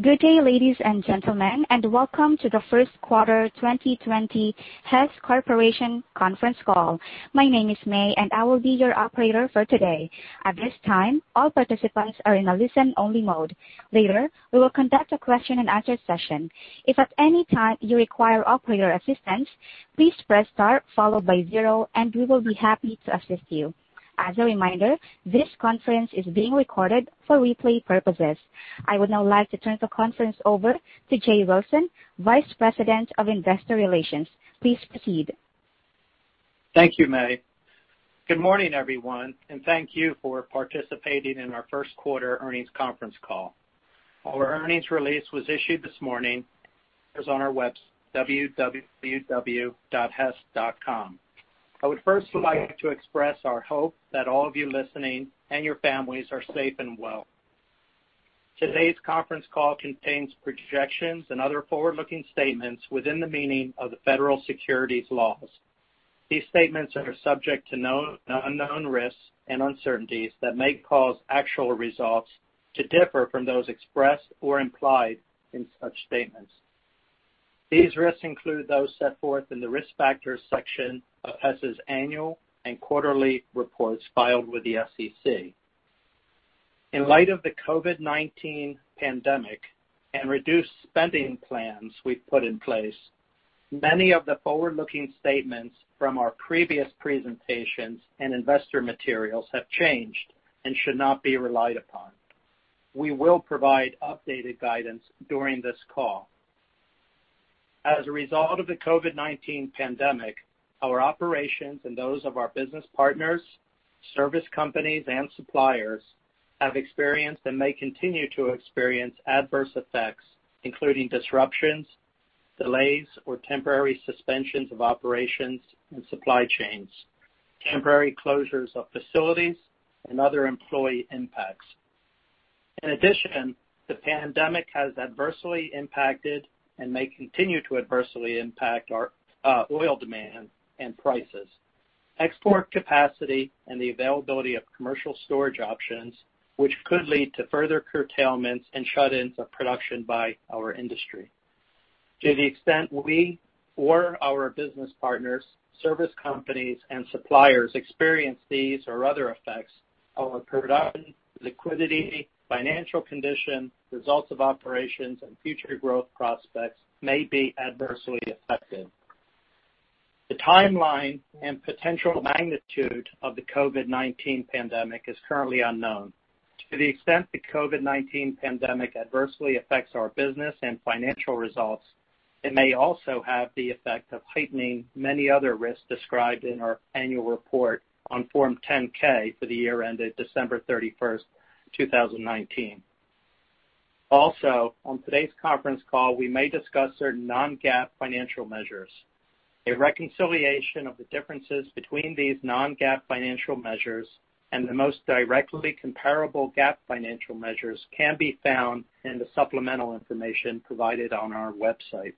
Good day, ladies and gentlemen, and welcome to the first quarter 2020 Hess Corporation conference call. My name is Mei, and I will be your operator for today. At this time, all participants are in a listen-only mode. Later, we will conduct a question and answer session. If at any time you require operator assistance, please press star followed by zero, and we will be happy to assist you. As a reminder, this conference is being recorded for replay purposes. I would now like to turn the conference over to Jay Wilson, Vice President of Investor Relations. Please proceed. Thank you, Mei. Good morning, everyone, and thank you for participating in our first quarter earnings conference call. Our earnings release was issued this morning. It was on our web, www.hess.com. I would first like to express our hope that all of you listening and your families are safe and well. Today's conference call contains projections and other forward-looking statements within the meaning of the federal securities laws. These statements are subject to known and unknown risks and uncertainties that may cause actual results to differ from those expressed or implied in such statements. These risks include those set forth in the Risk Factors section of Hess's annual and quarterly reports filed with the SEC. In light of the COVID-19 pandemic and reduced spending plans we've put in place, many of the forward-looking statements from our previous presentations and investor materials have changed and should not be relied upon. We will provide updated guidance during this call. As a result of the COVID-19 pandemic, our operations and those of our business partners, service companies, and suppliers have experienced and may continue to experience adverse effects, including disruptions, delays, or temporary suspensions of operations and supply chains, temporary closures of facilities, and other employee impacts. In addition, the pandemic has adversely impacted and may continue to adversely impact our oil demand and prices, export capacity, and the availability of commercial storage options, which could lead to further curtailments and shut-ins of production by our industry. To the extent we or our business partners, service companies, and suppliers experience these or other effects, our production, liquidity, financial condition, results of operations, and future growth prospects may be adversely affected. The timeline and potential magnitude of the COVID-19 pandemic is currently unknown. To the extent the COVID-19 pandemic adversely affects our business and financial results, it may also have the effect of heightening many other risks described in our annual report on Form 10-K for the year ended December 31, 2019. On today's conference call, we may discuss certain non-GAAP financial measures. A reconciliation of the differences between these non-GAAP financial measures and the most directly comparable GAAP financial measures can be found in the supplemental information provided on our website.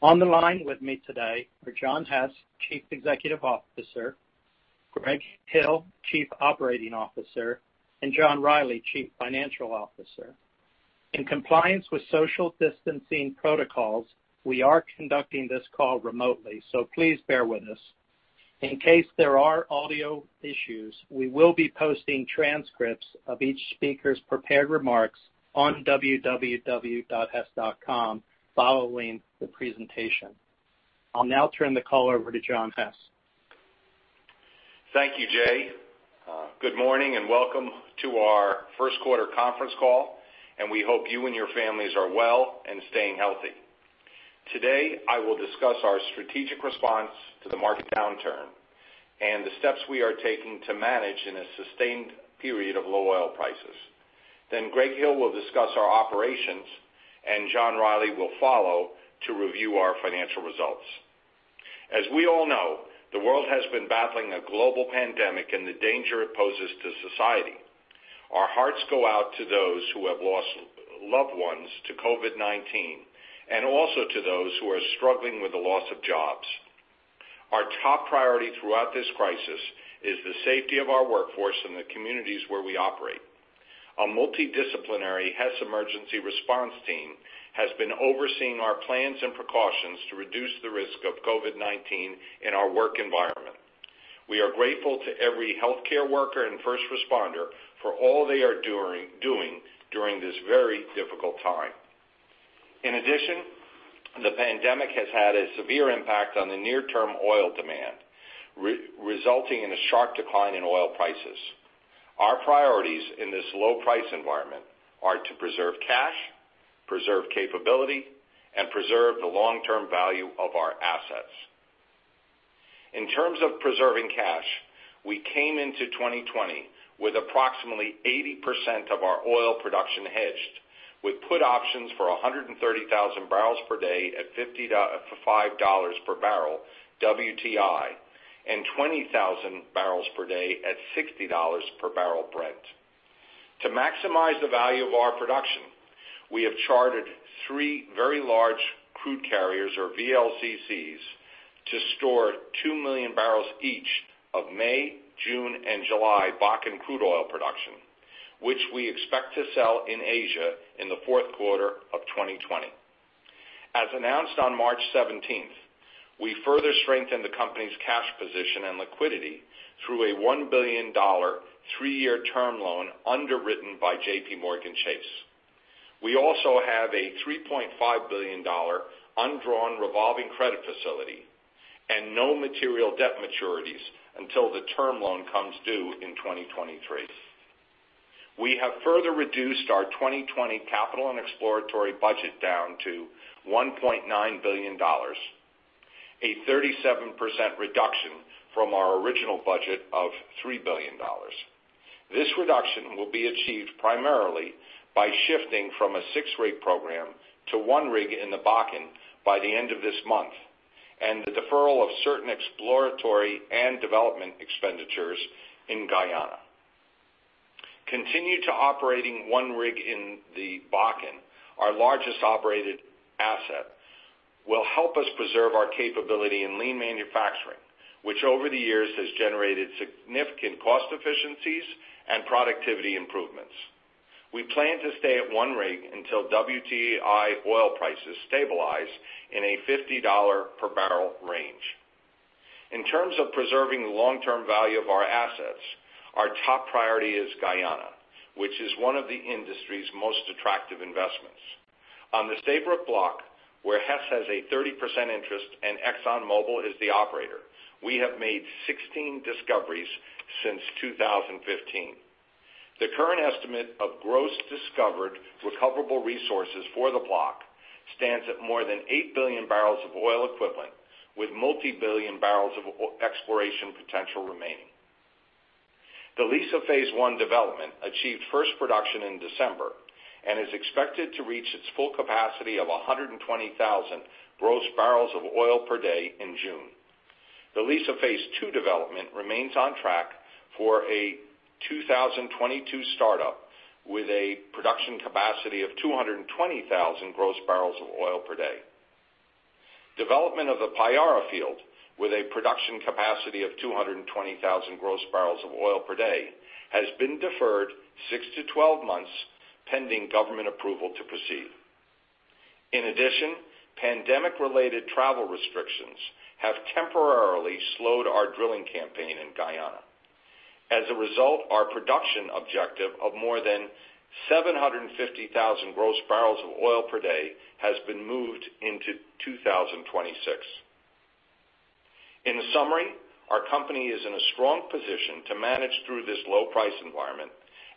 On the line with me today are John Hess, Chief Executive Officer, Greg Hill, Chief Operating Officer, and John Rielly, Chief Financial Officer. In compliance with social distancing protocols, we are conducting this call remotely, so please bear with us. In case there are audio issues, we will be posting transcripts of each speaker's prepared remarks on www.hess.com following the presentation. I'll now turn the call over to John Hess. Thank you, Jay. Good morning and welcome to our first quarter conference call, and we hope you and your families are well and staying healthy. Today, I will discuss our strategic response to the market downturn and the steps we are taking to manage in a sustained period of low oil prices. Greg Hill will discuss our operations, and John Rielly will follow to review our financial results. As we all know, the world has been battling a global pandemic and the danger it poses to society. Our hearts go out to those who have lost loved ones to COVID-19 and also to those who are struggling with the loss of jobs. Our top priority throughout this crisis is the safety of our workforce and the communities where we operate. Our multidisciplinary Hess Emergency Response Team has been overseeing our plans and precautions to reduce the risk of COVID-19 in our work environment. We are grateful to every healthcare worker and first responder for all they are doing during this very difficult time. In addition, the pandemic has had a severe impact on the near-term oil demand, resulting in a sharp decline in oil prices. Our priorities in this low price environment are to preserve cash, preserve capability, and preserve the long-term value of our assets. In terms of preserving cash, we came into 2020 with approximately 80% of our oil production hedged, with put options for 130,000 bbl per day at $55 per barrel WTI and 20,000 bbl per day at $60 per barrel Brent. To maximize the value of our production, we have chartered three very large crude carriers, or VLCCs, to store 2 million barrels each of May, June, and July Bakken crude oil production, which we expect to sell in Asia in the fourth quarter of 2020. As announced on March 17th, we further strengthened the company's cash position and liquidity through a $1 billion three-year term loan underwritten by JPMorgan Chase. We also have a $3.5 billion undrawn revolving credit facility and no material debt maturities until the term loan comes due in 2023. We have further reduced our 2020 capital and exploratory budget down to $1.9 billion, a 37% reduction from our original budget of $3 billion. This reduction will be achieved primarily by shifting from a six-rig program to one rig in the Bakken by the end of this month, and the deferral of certain exploratory and development expenditures in Guyana. Continuing to operating one rig in the Bakken, our largest operated asset, will help us preserve our capability in lean manufacturing, which over the years has generated significant cost efficiencies and productivity improvements. We plan to stay at one rig until WTI oil prices stabilize in a $50 per barrel range. In terms of preserving the long-term value of our assets, our top priority is Guyana, which is one of the industry's most attractive investments. On the Stabroek Block, where Hess has a 30% interest and ExxonMobil is the operator, we have made 16 discoveries since 2015. The current estimate of gross discovered recoverable resources for the block stands at more than 8 billion barrels of oil equivalent, with multi-billion barrels of exploration potential remaining. The Liza phase I development achieved first production in December and is expected to reach its full capacity of 120,000 gross bbl of oil per day in June. The Liza phase II development remains on track for a 2022 startup with a production capacity of 220,000 gross barrels of oil per day. Development of the Payara field, with a production capacity of 220,000 gross barrels of oil per day, has been deferred 6-12 months, pending government approval to proceed. In addition, pandemic-related travel restrictions have temporarily slowed our drilling campaign in Guyana. As a result, our production objective of more than 750,000 gross bbl of oil per day has been moved into 2026. In summary, our company is in a strong position to manage through this low-price environment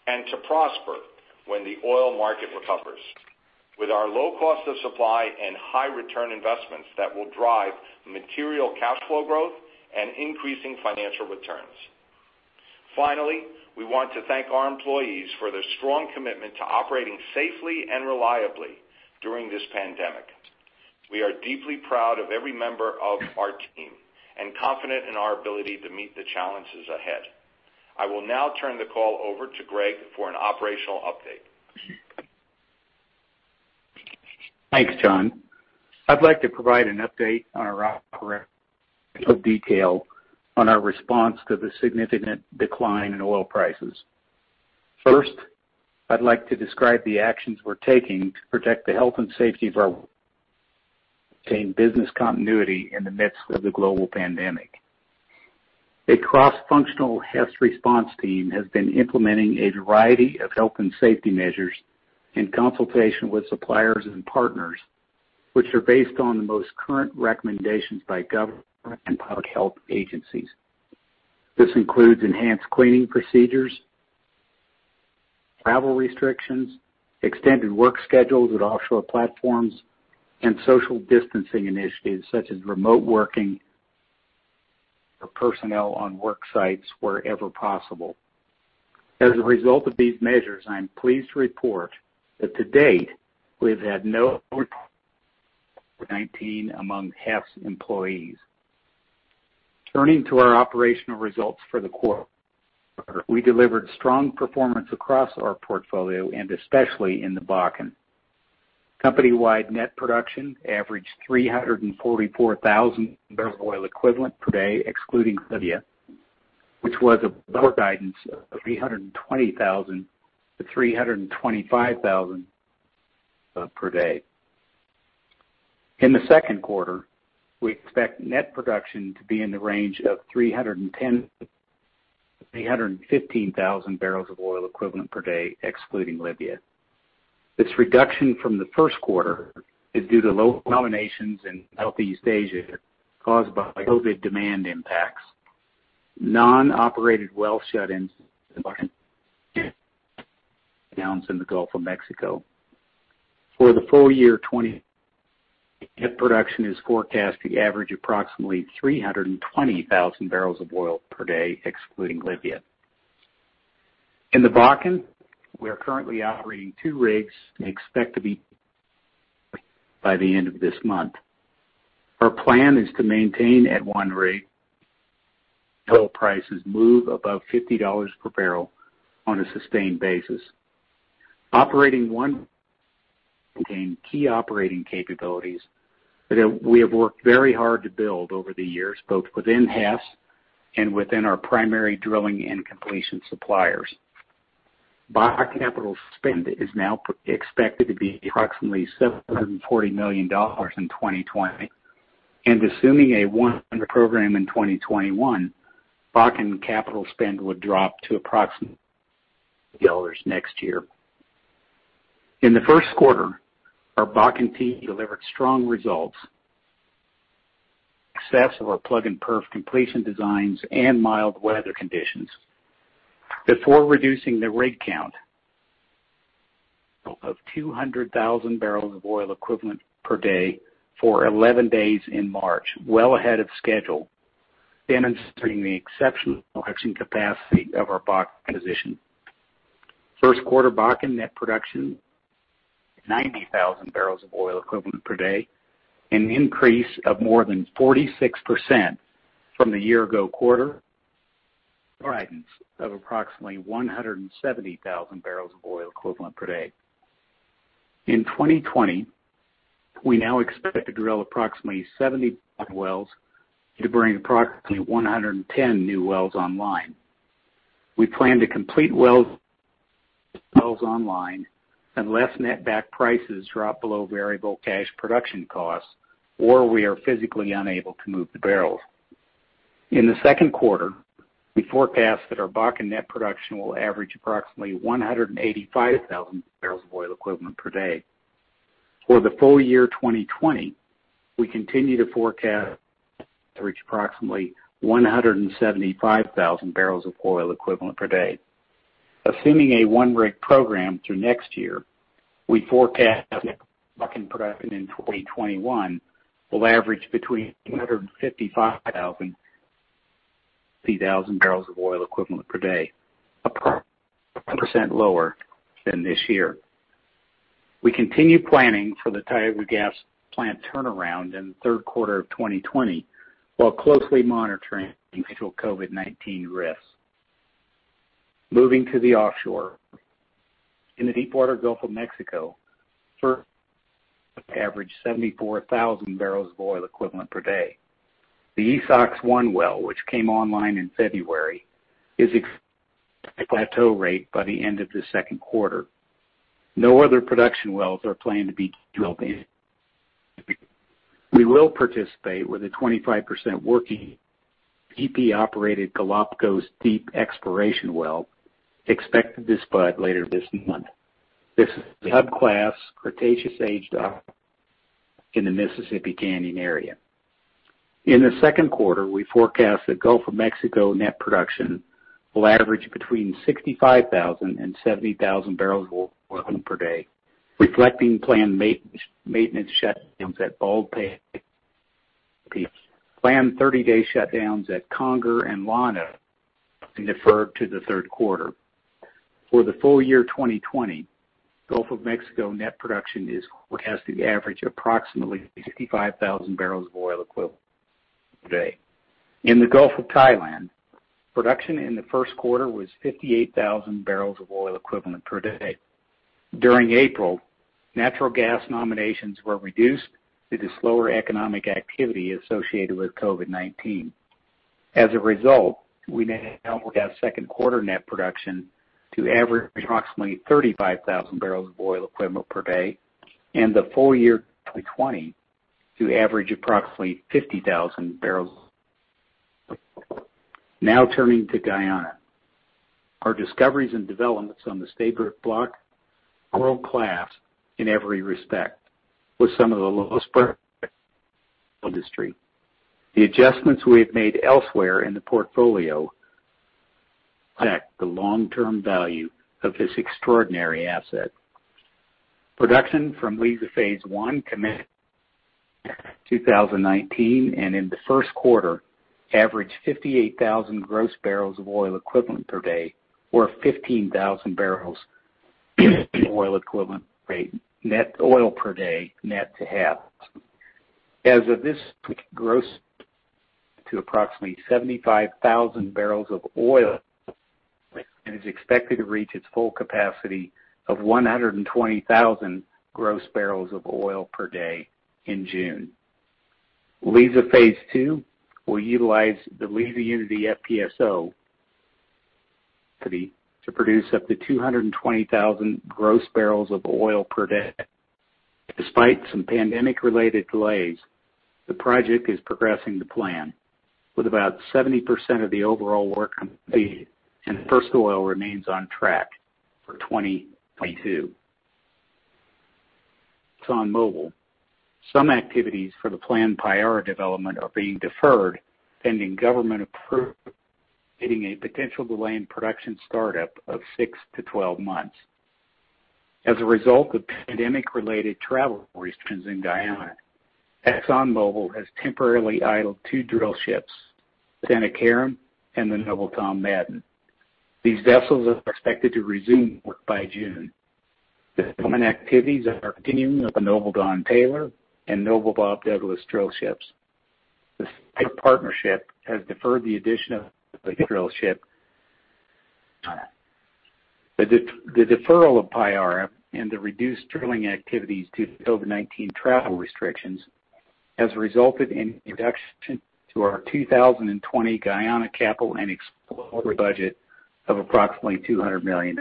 and to prosper when the oil market recovers with our low cost of supply and high-return investments that will drive material cash flow growth and increasing financial returns. We want to thank our employees for their strong commitment to operating safely and reliably during this pandemic. We are deeply proud of every member of our team and confident in our ability to meet the challenges ahead. I will now turn the call over to Greg for an operational update. Thanks, John. I'd like to provide an update on our operational detail on our response to the significant decline in oil prices. First, I'd like to describe the actions we're taking to protect the health and safety of our team business continuity in the midst of the global pandemic. A cross-functional Hess response team has been implementing a variety of health and safety measures in consultation with suppliers and partners, which are based on the most current recommendations by government and public health agencies. This includes enhanced cleaning procedures, travel restrictions, extended work schedules at offshore platforms, and social distancing initiatives such as remote working for personnel on work sites wherever possible. As a result of these measures, I am pleased to report that to date, we've had no COVID-19 among Hess employees. Turning to our operational results for the quarter, we delivered strong performance across our portfolio and especially in the Bakken. Company-wide net production averaged 344,000 bbl of oil equivalent per day, excluding Libya, which was above guidance of 320,000 to 325,000 per day. In the second quarter, we expect net production to be in the range of 310,000 to 315,000 bbl of oil equivalent per day excluding Libya. This reduction from the first quarter is due to low nominations in Southeast Asia caused by COVID demand impacts, non-operated well shut-ins announced in the Gulf of Mexico. For the full year 2020, net production is forecast to average approximately 320,000 barrels of oil per day excluding Libya. In the Bakken, we are currently operating two rigs and expect to be by the end of this month. Our plan is to maintain at one rig until prices move above $50 per barrel on a sustained basis. Operating one key operating capabilities that we have worked very hard to build over the years, both within Hess and within our primary drilling and completion suppliers. Bakken capital spend is now expected to be approximately $740 million in 2020, and assuming a one rig program in 2021, Bakken capital spend would drop to approximately next year. In the first quarter, our Bakken team delivered strong results, success of our plug and perf completion designs and mild weather conditions, before reducing the rig count of 200,000 bbl of oil equivalent per day for 11 days in March, well ahead of schedule, demonstrating the exceptional production capacity of our Bakken position. First quarter Bakken net production, 90,000 barrels of oil equivalent per day, an increase of more than 46% from the year ago quarter. Of approximately 170,000 bbl of oil equivalent per day. In 2020, we now expect to drill approximately 70 wells to bring approximately 110 new wells online. We plan to complete wells online unless net back prices drop below variable cash production costs or we are physically unable to move the barrels. In the second quarter, we forecast that our Bakken net production will average approximately 185,000 bbl of oil equivalent per day. For the full year 2020, we continue to forecast to reach approximately 175,000 bbl of oil equivalent per day. Assuming a one-rig program through next year, we forecast Bakken production in 2021 will average between 255,000 bbl of oil equivalent per day, 10% lower than this year. We continue planning for the Tioga gas plant turnaround in the third quarter of 2020, while closely monitoring potential COVID-19 risks. Moving to the offshore. In the deepwater Gulf of Mexico, average 74,000 bbl of oil equivalent per day. The Esox-1 well, which came online in February, is ex- plateau rate by the end of the second quarter. No other production wells are planned to be drilled in. We will participate with a 25% working BP operated Galapagos deep exploration well expected to spud later this month. This is the hub class Cretaceous aged in the Mississippi Canyon area. In the second quarter, we forecast that Gulf of Mexico net production will average between 65,000 and 70,000 barrels of oil equivalent per day, reflecting planned maintenance shutdowns at Baldpate. Planned 30-day shutdowns at Conger and Llano have been deferred to the third quarter. For the full year 2020, Gulf of Mexico net production is forecasted to average approximately 65,000 bbl of oil equivalent per day. In the Gulf of Thailand, production in the first quarter was 58,000 bbl of oil equivalent per day. During April, natural gas nominations were reduced due to slower economic activity associated with COVID-19. As a result, we may second quarter net production to average approximately 35,000 bbl of oil equivalent per day and the full year 2020 to average approximately 50,000 bbl. Now turning to Guyana. Our discoveries and developments on the Stabroek Block are world-class in every respect, with some of the lowest industry. The adjustments we have made elsewhere in the portfolio affect the long-term value of this extraordinary asset. Production from Liza phase I commenced 2019 and in the first quarter, averaged 58,000 gross bbl of oil equivalent per day or 15,000 bbl of oil equivalent net oil per day net to Hess. As of this gross to approximately 75,000 bbl of oil and is expected to reach its full capacity of 120,000 gross bbl of oil per day in June. Liza phase II will utilize the Liza Unity FPSO to produce up to 220,000 gross bblof oil per day. Despite some pandemic-related delays, the project is progressing to plan, with about 70% of the overall work completed and first oil remains on track for 2022. ExxonMobil, some activities for the planned Payara development are being deferred pending government a potential delay in production startup of 6-12 months. As a result of pandemic-related travel restrictions in Guyana, ExxonMobil has temporarily idled two drill ships, the Stena Carron and the Noble Tom Madden. These vessels are expected to resume work by June. The drilling activities are continuing of the Noble Don Taylor and Noble Bob Douglas drill ships. The partnership has deferred the addition of the drill ship. The deferral of Payara and the reduced drilling activities due to COVID-19 travel restrictions has resulted in a reduction to our 2020 Guyana capital and exploration budget of approximately $200 million.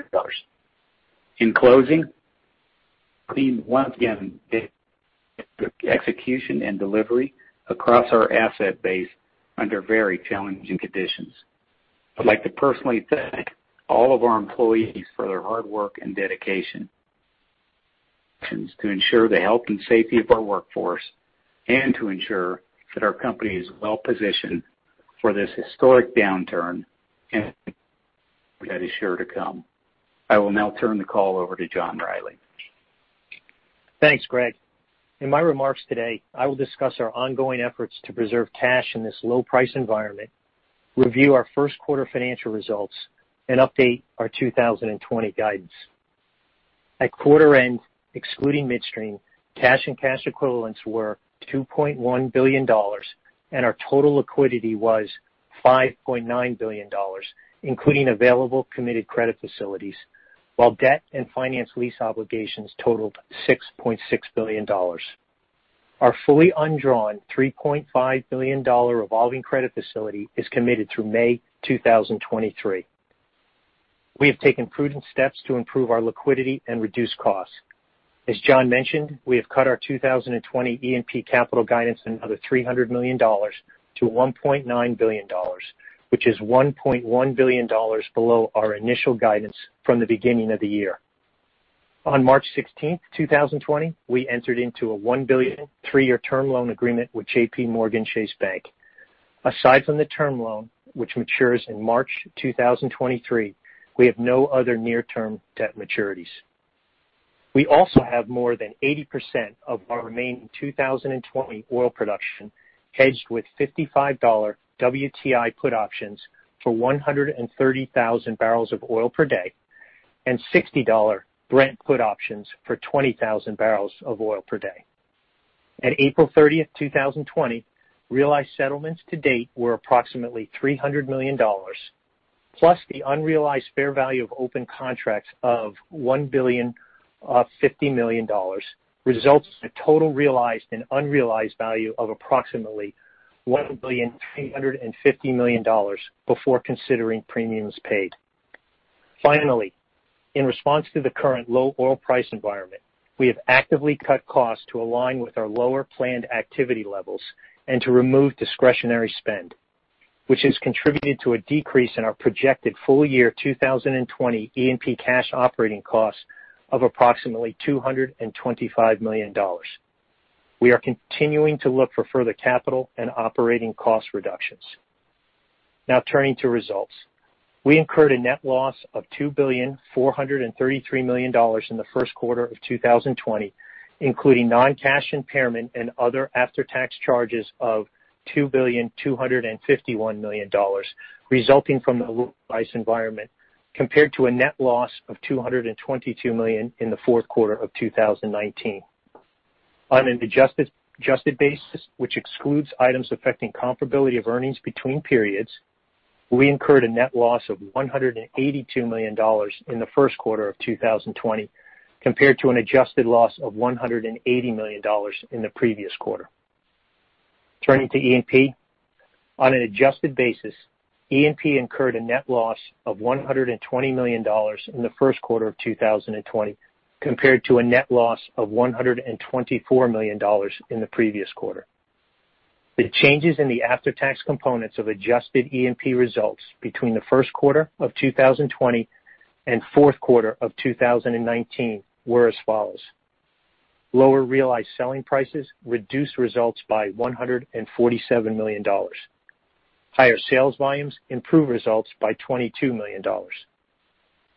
In closing, once again, the execution and delivery across our asset base under very challenging conditions. I'd like to personally thank all of our employees for their hard work and dedication to ensure the health and safety of our workforce and to ensure that our company is well-positioned for this historic downturn that is sure to come. I will now turn the call over to John Rielly. Thanks, Greg. In my remarks today, I will discuss our ongoing efforts to preserve cash in this low price environment, review our first quarter financial results, and update our 2020 guidance. At quarter end, excluding midstream, cash and cash equivalents were $2.1 billion, and our total liquidity was $5.9 billion, including available committed credit facilities, while debt and finance lease obligations totaled $6.6 billion. Our fully undrawn $3.5 billion revolving credit facility is committed through May 2023. We have taken prudent steps to improve our liquidity and reduce costs. As John mentioned, we have cut our 2020 E&P capital guidance another $300 million to $1.9 billion, which is $1.1 billion below our initial guidance from the beginning of the year. On March 16th, 2020, we entered into a $1 billion, three-year term loan agreement with JPMorgan Chase Bank. Aside from the term loan, which matures in March 2023, we have no other near-term debt maturities. We also have more than 80% of our remaining 2020 oil production hedged with $55 WTI put options for 130,000 bbl of oil per day and $60 Brent put options for 20,000 bbl of oil per day. At April 30, 2020, realized settlements to date were approximately $300 million, plus the unrealized fair value of open contracts of $1.05 billion results in a total realized and unrealized value of approximately $1.35 billion before considering premiums paid. Finally, in response to the current low oil price environment, we have actively cut costs to align with our lower planned activity levels and to remove discretionary spend, which has contributed to a decrease in our projected full-year 2020 E&P cash operating costs of approximately $225 million. We are continuing to look for further capital and operating cost reductions. Now turning to results. We incurred a net loss of $2.433 billion in the first quarter of 2020, including non-cash impairment and other after-tax charges of $2.251 billion resulting from the low price environment, compared to a net loss of $222 million in the fourth quarter of 2019. On an adjusted basis, which excludes items affecting comparability of earnings between periods, we incurred a net loss of $182 million in the first quarter of 2020, compared to an adjusted loss of $180 million in the previous quarter. Turning to E&P. On an adjusted basis, E&P incurred a net loss of $120 million in the first quarter of 2020, compared to a net loss of $124 million in the previous quarter. The changes in the after-tax components of adjusted E&P results between the first quarter of 2020 and fourth quarter of 2019 were as follows. Lower realized selling prices reduced results by $147 million. Higher sales volumes improved results by $22 million.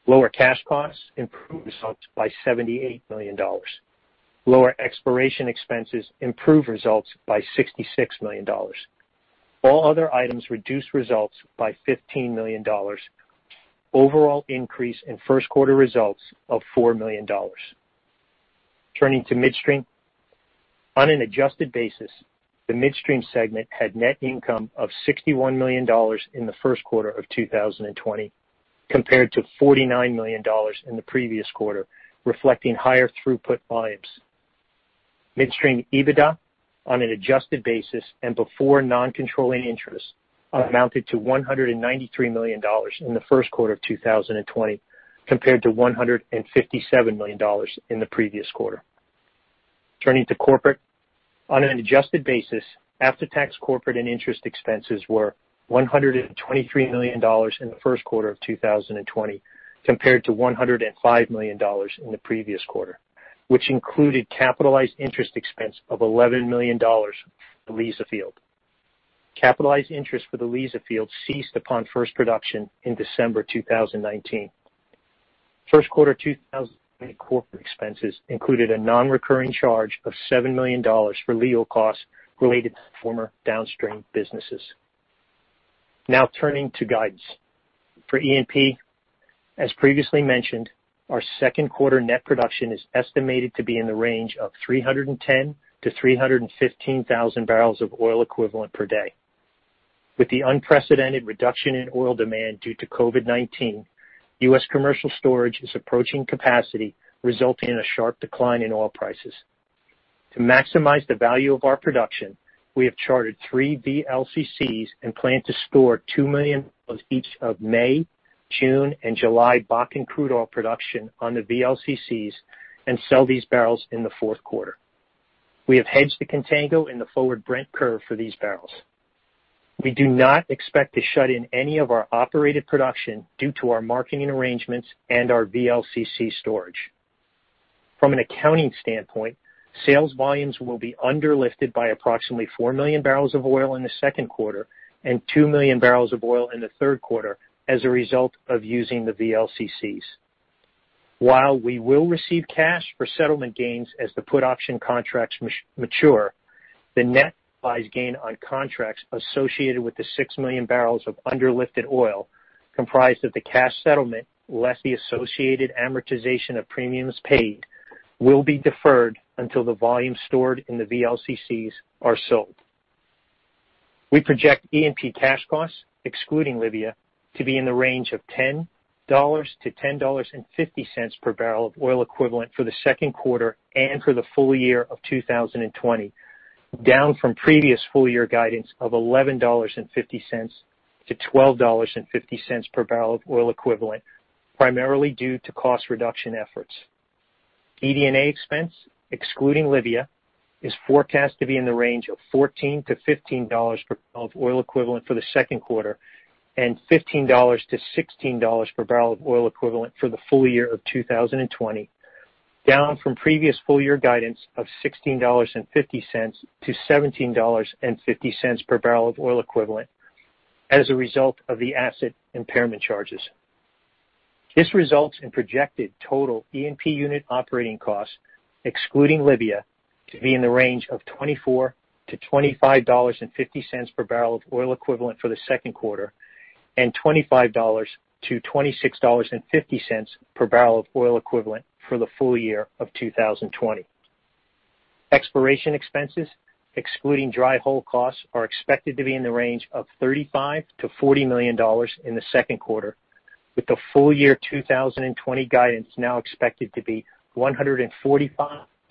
Lower cash costs improved results by $78 million. Lower exploration expenses improved results by $66 million. All other items reduced results by $15 million. Overall increase in first quarter results of $4 million. Turning to midstream. On an adjusted basis, the midstream segment had net income of $61 million in the first quarter of 2020, compared to $49 million in the previous quarter, reflecting higher throughput volumes. Midstream EBITDA on an adjusted basis and before non-controlling interest amounted to $193 million in the first quarter of 2020, compared to $157 million in the previous quarter. Turning to corporate. On an adjusted basis, after-tax corporate and interest expenses were $123 million in the first quarter of 2020, compared to $105 million in the previous quarter, which included capitalized interest expense of $11 million for the Liza field. Capitalized interest for the Liza field ceased upon first production in December 2019. First quarter 2020 corporate expenses included a non-recurring charge of $7 million for legal costs related to former downstream businesses. Turning to guidance. For E&P, as previously mentioned, our second quarter net production is estimated to be in the range of 310,000 to 315,000 bbl of oil equivalent per day. With the unprecedented reduction in oil demand due to COVID-19, U.S. commercial storage is approaching capacity, resulting in a sharp decline in oil prices. To maximize the value of our production, we have chartered three VLCCs and plan to store 2 million barrels each of May, June, and July Bakken crude oil production on the VLCCs and sell these barrels in the fourth quarter. We have hedged the contango in the forward Brent curve for these barrels. We do not expect to shut in any of our operated production due to our marketing arrangements and our VLCC storage. From an accounting standpoint, sales volumes will be under-lifted by approximately 4 million barrels of oil in the second quarter and 2 million barrels of oil in the third quarter as a result of using the VLCCs. While we will receive cash for settlement gains as the put option contracts mature, the net buys gain on contracts associated with the 6 million barrels of under-lifted oil, comprised of the cash settlement, less the associated amortization of premiums paid, will be deferred until the volume stored in the VLCCs are sold. We project E&P cash costs, excluding Libya, to be in the range of $10-$10.50 per barrel of oil equivalent for the second quarter and for the full year of 2020, down from previous full year guidance of $11.50-$12.50 per barrel of oil equivalent, primarily due to cost reduction efforts. DD&A expense, excluding Libya, is forecast to be in the range of $14-$15 per barrel of oil equivalent for the second quarter and $15-$16 per barrel of oil equivalent for the full year of 2020, down from previous full year guidance of $16.50-$17.50 per barrel of oil equivalent as a result of the asset impairment charges. This results in projected total E&P unit operating costs, excluding Libya, to be in the range of $24-$25.50 per barrel of oil equivalent for the second quarter, and $25-$26.50 per barrel of oil equivalent for the full year of 2020. Exploration expenses, excluding dry hole costs, are expected to be in the range of $35 million-$40 million in the second quarter, with the full year 2020 guidance now expected to be $145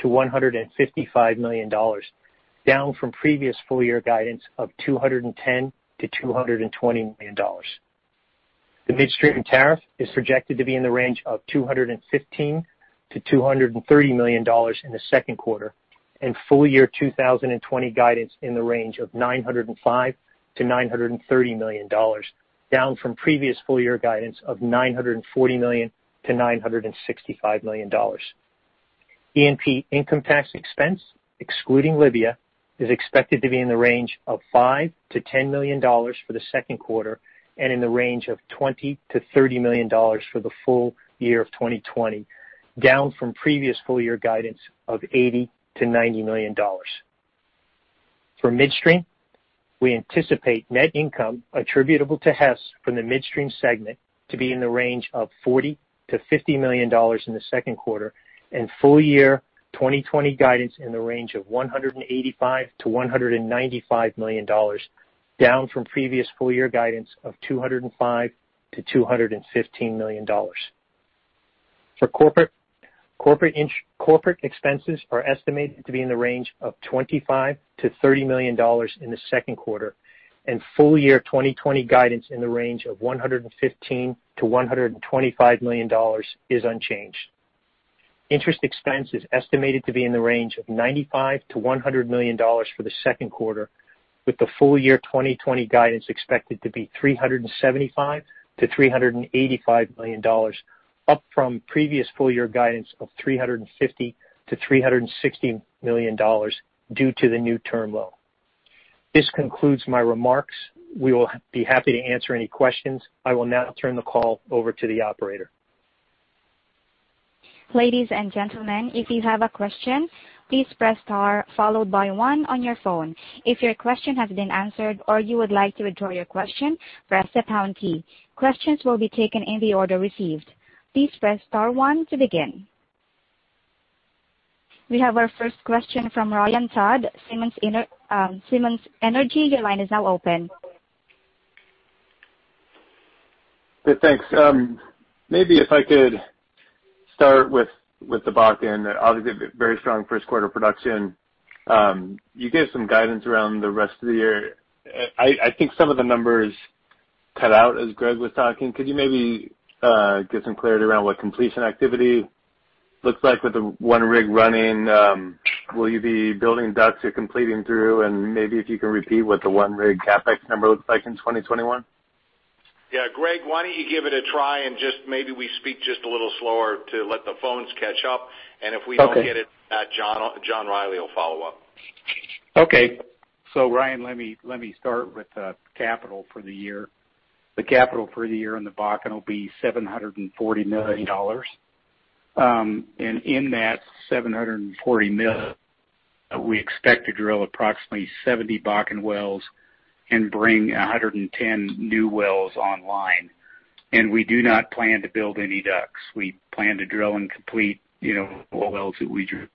million-$155 million, down from previous full year guidance of $210 million-$220 million. The midstream tariff is projected to be in the range of $215 million-$230 million in the second quarter, and full year 2020 guidance in the range of $905 million-$930 million, down from previous full year guidance of $940 million-$965 million. E&P income tax expense, excluding Libya, is expected to be in the range of $5 million-$10 million for the second quarter and in the range of $20 million-$30 million for the full year of 2020, down from previous full year guidance of $80 million-$90 million. For midstream, we anticipate net income attributable to Hess from the midstream segment to be in the range of $40 million-$50 million in the second quarter and full year 2020 guidance in the range of $185 million-$195 million, down from previous full year guidance of $205 million-$215 million. For corporate expenses are estimated to be in the range of $25 million-$30 million in the second quarter, and full year 2020 guidance in the range of $115 million-$125 million is unchanged. Interest expense is estimated to be in the range of $95 million-$100 million for the second quarter, with the full year 2020 guidance expected to be $375 million-$385 million, up from previous full year guidance of $350 million-$360 million due to the new term loan. This concludes my remarks. We will be happy to answer any questions. I will now turn the call over to the operator. Ladies and gentlemen, if you have a question, please press star followed by one on your phone. If your question has been answered or you would like to withdraw your question, press the pound key. Questions will be taken in the order received. Please press star one to begin. We have our first question from Ryan Todd, Simmons Energy. Your line is now open. Okay. Thanks. Maybe if I could start with the back end. Obviously, very strong first quarter production. You gave some guidance around the rest of the year. I think some of the numbers cut out as Greg was talking. Could you maybe give some clarity around what completion activity looks like with the one rig running? Will you be building ducts or completing through? Maybe if you can repeat what the one rig CapEx number looks like in 2021. Yeah. Greg, why don't you give it a try, and just maybe we speak just a little slower to let the phones catch up. If we don't get it, John Rielly will follow up. Okay. Ryan, let me start with the capital for the year. The capital for the year in the Bakken will be $740 million. In that $740 million, we expect to drill approximately 70 Bakken wells and bring 110 new wells online. We do not plan to build any DUCs. We plan to drill and complete oil wells that we drill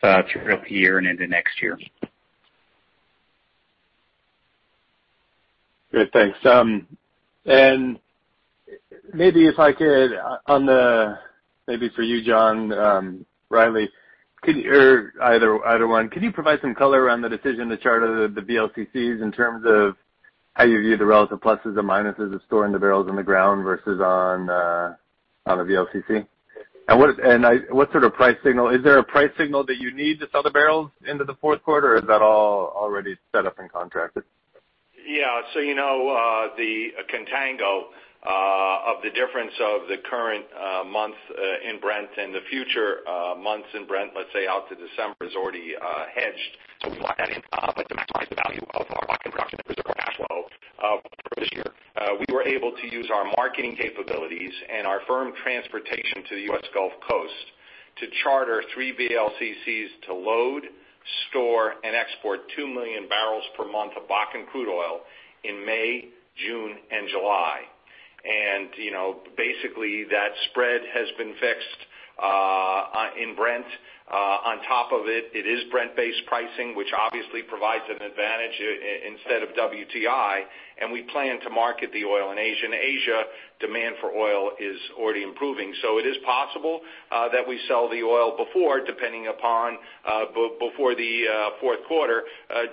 through here and into next year. Good. Thanks. Maybe if I could, maybe for you, John Rielly, or either one, can you provide some color around the decision to charter the VLCCs in terms of how you view the relative pluses or minuses of storing the barrels in the ground versus on a VLCC? What sort of price signal? Is there a price signal that you need to sell the barrels into the fourth quarter, or is that all already set up and contracted? The contango of the difference of the current month in Brent and the future months in Brent, let's say out to December, is already hedged. We lock that in. To maximize the value of our Bakken production and preserve our cash flow for this year, we were able to use our marketing capabilities and our firm transportation to the US Gulf Coast to charter three VLCCs to load, store, and export 2 million barrels per month of Bakken crude oil in May, June, and July. Basically, that spread has been fixed in Brent. On top of it is Brent-based pricing, which obviously provides an advantage, instead of WTI, and we plan to market the oil in Asia. Asia demand for oil is already improving. It is possible that we sell the oil before the fourth quarter,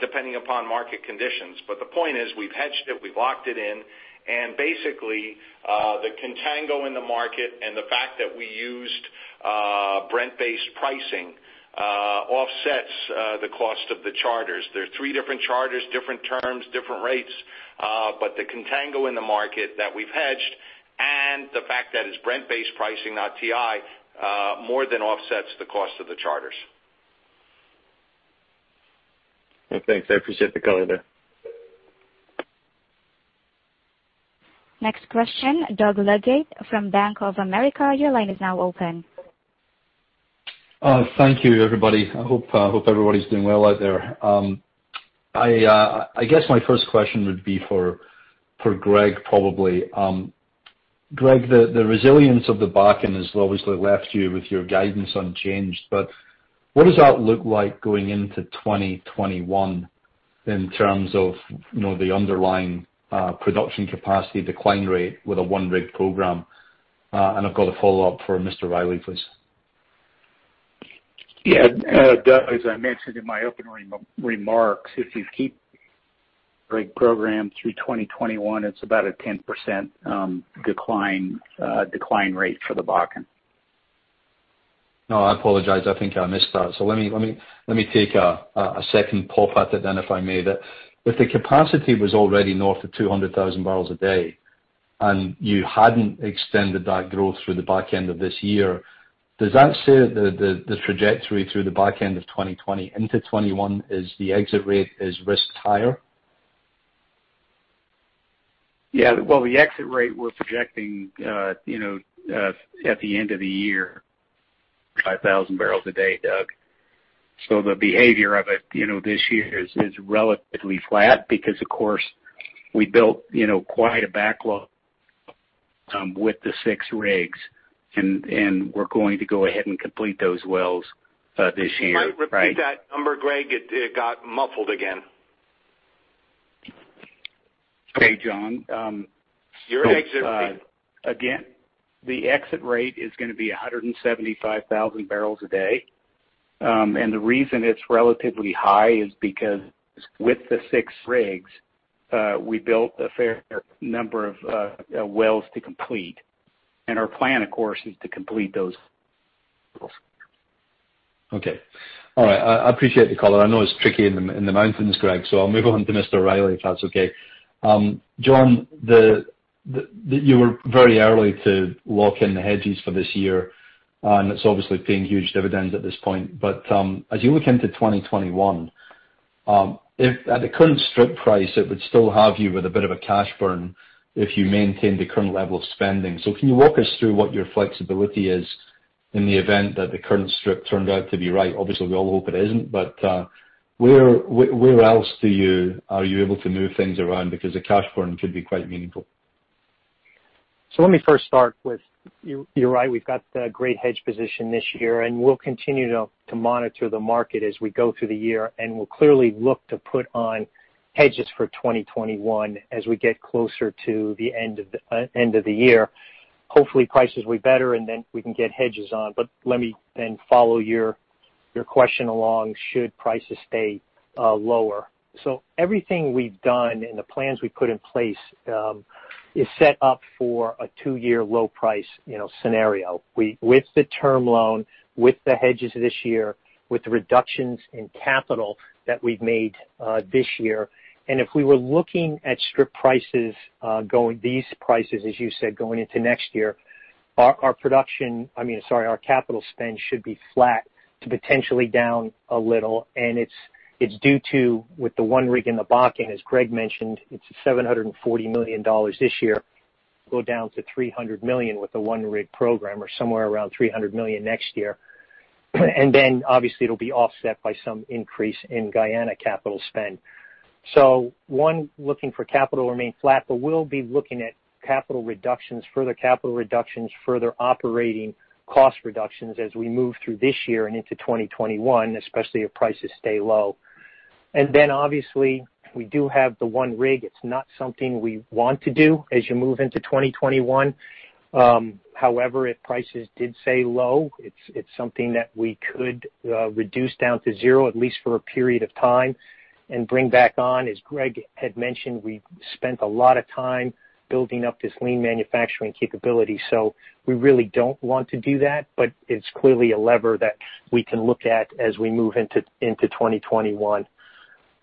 depending upon market conditions. The point is, we've hedged it, we've locked it in, and basically, the contango in the market and the fact that we used Brent-based pricing offsets the cost of the charters. There are three different charters, different terms, different rates. The contango in the market that we've hedged and the fact that it's Brent-based pricing, not WTI, more than offsets the cost of the charters. Well, thanks. I appreciate the color there. Next question, Doug Leggate from Bank of America, your line is now open. Thank you, everybody. I hope everybody's doing well out there. I guess my first question would be for Greg, probably. Greg, the resilience of the Bakken has obviously left you with your guidance unchanged, but what does that look like going into 2021 in terms of the underlying production capacity decline rate with a one-rig program? I've got a follow-up for Mr. Rielly, please. Yeah. Doug, as I mentioned in my opening remarks, if you keep rig program through 2021, it's about a 10% decline rate for the Bakken. No, I apologize. I think I missed that. Let me take a second pop at it then, if I may. If the capacity was already north of 200,000 barrels a day and you hadn't extended that growth through the back end of this year, does that say that the trajectory through the back end of 2020 into 2021 is the exit rate is risked higher? Yeah. Well, the exit rate we're projecting at the end of the year, 5,000 bbl a day, Doug. The behavior of it this year is relatively flat because, of course, we built quite a backlog with the six rigs, and we're going to go ahead and complete those wells this year. Can you repeat that number, Greg? It got muffled again. Okay, John. Your exit rate. The exit rate is going to be 175,000 bbl a day. The reason it's relatively high is because with the six rigs, we built a fair number of wells to complete. Our plan, of course, is to complete those. Okay. All right. I appreciate the color. I know it's tricky in the mountains, Greg, so I'll move on to Mr. Rielly, if that's okay. John, you were very early to lock in the hedges for this year, and it's obviously paying huge dividends at this point. As you look into 2021, if at the current strip price, it would still have you with a bit of a cash burn if you maintain the current level of spending. Can you walk us through what your flexibility is in the event that the current strip turns out to be right? Obviously, we all hope it isn't, but where else are you able to move things around? The cash burn could be quite meaningful. Let me first start with, you're right, we've got a great hedge position this year, and we'll continue to monitor the market as we go through the year, and we'll clearly look to put on hedges for 2021 as we get closer to the end of the year. Hopefully prices will be better and then we can get hedges on. Let me then follow your question along should prices stay lower. Everything we've done and the plans we put in place is set up for a two-year low price scenario. With the term loan, with the hedges this year, with the reductions in capital that we've made this year. If we were looking at strip prices, these prices, as you said, going into next year. Our capital spend should be flat to potentially down a little, and it's due to, with the one rig in the Bakken, as Greg mentioned, it's $740 million this year, go down to $300 million with the one-rig program, or somewhere around $300 million next year. Obviously it'll be offset by some increase in Guyana capital spend. Looking for capital remain flat, but we'll be looking at further capital reductions, further operating cost reductions as we move through this year and into 2021, especially if prices stay low. Obviously we do have the one rig. It's not something we want to do as you move into 2021. However, if prices did stay low, it's something that we could reduce down to zero, at least for a period of time, and bring back on. As Greg had mentioned, we spent a lot of time building up this lean manufacturing capability. We really don't want to do that, but it's clearly a lever that we can look at as we move into 2021.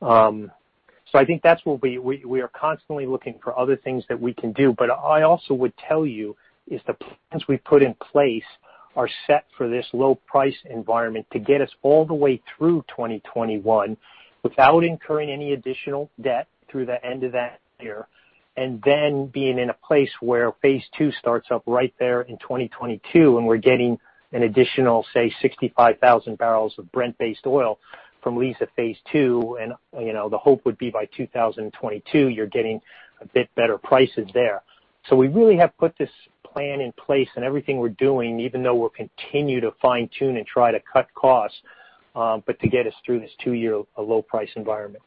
I think that's what we are constantly looking for other things that we can do. I also would tell you is the plans we've put in place are set for this low price environment to get us all the way through 2021 without incurring any additional debt through the end of that year. Then being in a place where Liza phase II starts up right there in 2022, and we're getting an additional, say, 65,000 barrels of Brent-based oil from Liza phase II, and the hope would be by 2022, you're getting a bit better prices there. We really have put this plan in place and everything we're doing, even though we'll continue to fine tune and try to cut costs, but to get us through this two year low price environment.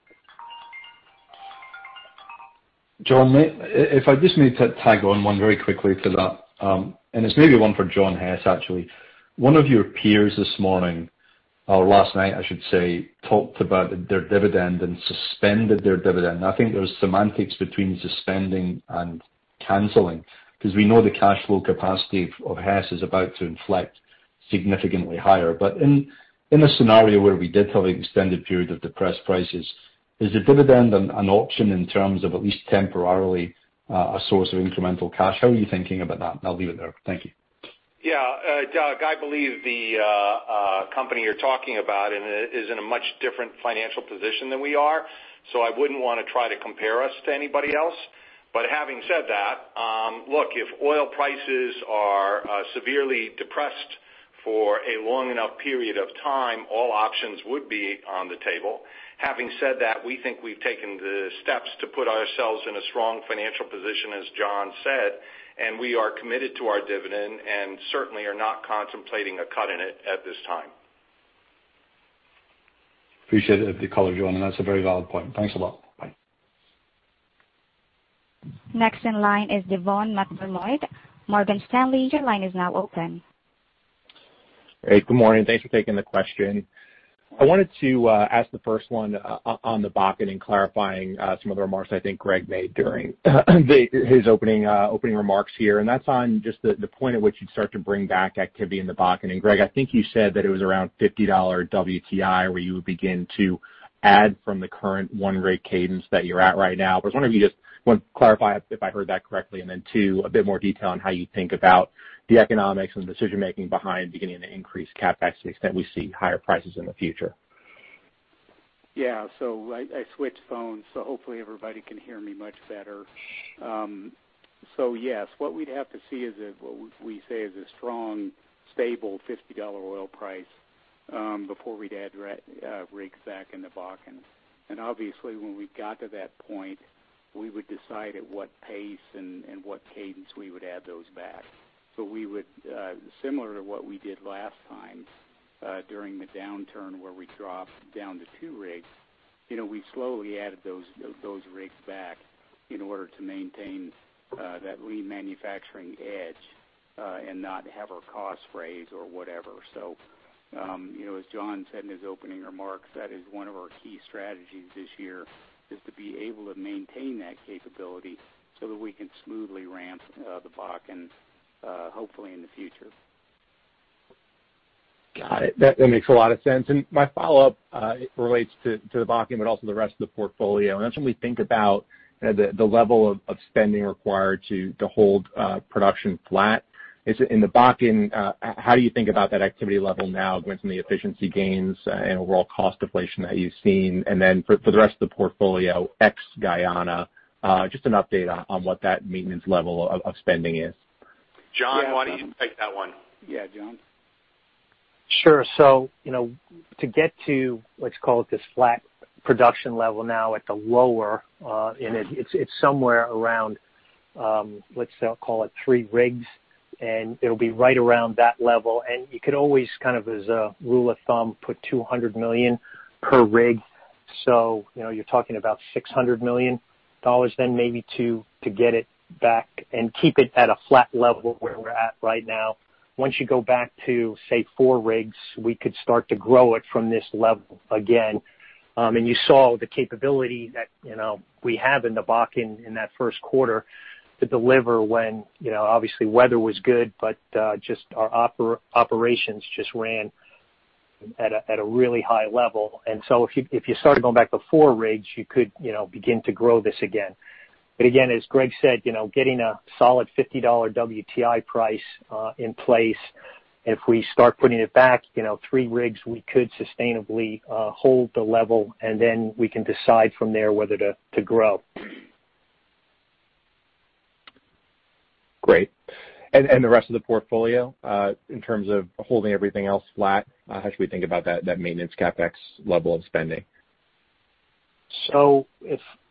John, if I just need to tag on one very quickly to that. It's maybe one for John Hess, actually. One of your peers this morning, or last night I should say, talked about their dividend and suspended their dividend. I think there's semantics between suspending and canceling, because we know the cash flow capacity of Hess is about to inflect significantly higher. In a scenario where we did have an extended period of depressed prices, is the dividend an option in terms of at least temporarily a source of incremental cash? How are you thinking about that? I'll leave it there. Thank you. Yeah. Doug, I believe the company you're talking about is in a much different financial position than we are. I wouldn't want to try to compare us to anybody else. Having said that, look, if oil prices are severely depressed for a long enough period of time, all options would be on the table. Having said that, we think we've taken the steps to put ourselves in a strong financial position, as John said, and we are committed to our dividend and certainly are not contemplating a cut in it at this time. Appreciate the color, John. That's a very valid point. Thanks a lot. Bye. Next in line is Devin McDermott. Morgan Stanley, your line is now open. Hey, good morning. Thanks for taking the question. I wanted to ask the first one on the Bakken and clarifying some of the remarks I think Greg made during his opening remarks here, and that's on just the point at which you'd start to bring back activity in the Bakken. Greg, I think you said that it was around $50 WTI where you would begin to add from the current one rig cadence that you're at right now. I was wondering if you just want to clarify if I heard that correctly, and then two, a bit more detail on how you think about the economics and the decision-making behind beginning to increase CapEx to the extent we see higher prices in the future. Yeah. I switched phones, so hopefully everybody can hear me much better. Yes, what we'd have to see is what we say is a strong, stable $50 oil price, before we'd add rigs back in the Bakken. Obviously, when we got to that point, we would decide at what pace and what cadence we would add those back. Similar to what we did last time, during the downturn where we dropped down to two rigs, we slowly added those rigs back in order to maintain that lean manufacturing edge, and not have our costs rise or whatever. As John said in his opening remarks, that is one of our key strategies this year, is to be able to maintain that capability so that we can smoothly ramp the Bakken, hopefully in the future. Got it. That makes a lot of sense. My follow-up, it relates to the Bakken, but also the rest of the portfolio. That's when we think about the level of spending required to hold production flat. In the Bakken, how do you think about that activity level now given some of the efficiency gains and overall cost deflation that you've seen? Then for the rest of the portfolio, ex Guyana, just an update on what that maintenance level of spending is. John, why don't you take that one? Yeah. John? Sure. To get to, let's call it this flat production level now at the lower, and it's somewhere around, let's call it three rigs, and it'll be right around that level. You could always kind of as a rule of thumb, put $200 million per rig. You're talking about $600 million then maybe to get it back and keep it at a flat level where we're at right now. Once you go back to, say, four rigs, we could start to grow it from this level again. You saw the capability that we have in the Bakken in that first quarter to deliver when obviously weather was good, but just our operations just ran at a really high level. If you started going back to four rigs, you could begin to grow this again. Again, as Greg said, getting a solid $50 WTI price in place, if we start putting it back three rigs, we could sustainably hold the level, and then we can decide from there whether to grow. Great. The rest of the portfolio, in terms of holding everything else flat, how should we think about that maintenance CapEx level of spending?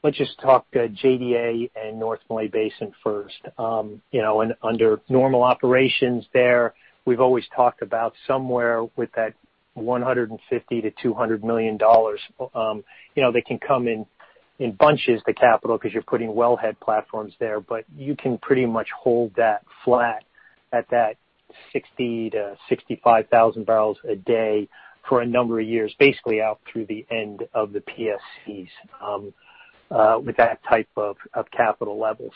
Let's just talk JDA and North Malay Basin first. Under normal operations there, we've always talked about somewhere with that $150 million-$200 million. They can come in bunches, the capital, because you're putting wellhead platforms there. You can pretty much hold that flat at that 60,000-65,000 bbl a day for a number of years, basically out through the end of the PSCs with that type of capital levels.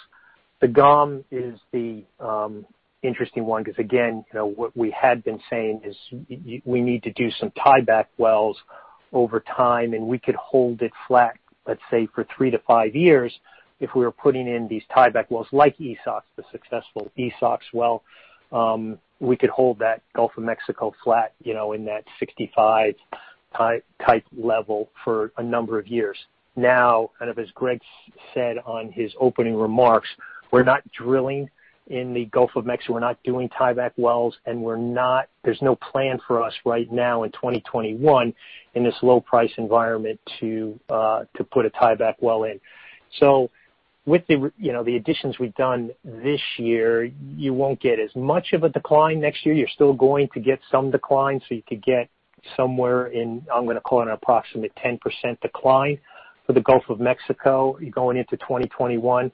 The GOM is the interesting one, because again, what we had been saying is we need to do some tieback wells over time, and we could hold it flat, let's say, for three to five years, if we were putting in these tieback wells like Esox, the successful Esox well. We could hold that Gulf of Mexico flat in that 65 type level for a number of years. Kind of as Greg said on his opening remarks, we're not drilling in the Gulf of Mexico. We're not doing tieback wells, and there's no plan for us right now in 2021 in this low-price environment to put a tieback well in. With the additions we've done this year, you won't get as much of a decline next year. You're still going to get some decline. You could get somewhere in, I'm going to call it an approximate 10% decline for the Gulf of Mexico going into 2021.